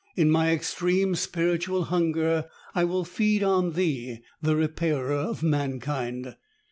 In my extreme spiritual hunger I will feed on Thee, the Repairer of Mankind.